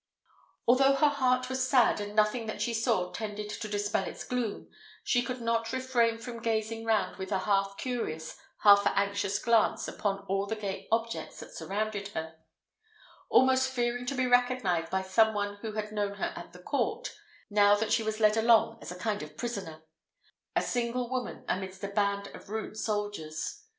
Although her heart was sad, and nothing that she saw tended to dispel its gloom, she could not refrain from gazing round with a half curious, half anxious glance upon all the gay objects that surrounded her; almost fearing to be recognised by some one who had known her at the court, now that she was led along as a kind of prisoner; a single woman amidst a band of rude soldiers.